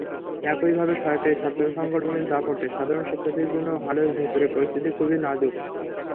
একইভাবে সরকারি ছাত্রসংগঠনের দাপটে সাধারণ শিক্ষার্থীদের জন্য হলের ভেতরের পরিস্থিতি খুবই নাজুক।